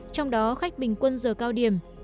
trong đó khách bình quân giờ cao điểm